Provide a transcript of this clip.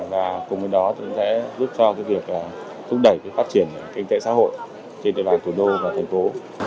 và cùng với đó sẽ giúp cho việc thúc đẩy phát triển kinh tế xã hội trên địa bàn thủ đô và thành phố